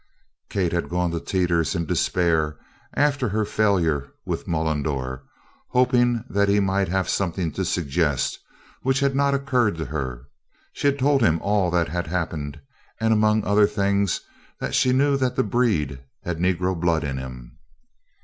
Kate had gone to Teeters in despair after her failure with Mullendore, hoping that he might have something to suggest which had not occurred to her. She had told him all that had happened, and among other things, that she knew now that the "breed" had negro blood in him.